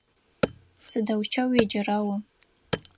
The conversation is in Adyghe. Сыдэущтэу уеджэра о?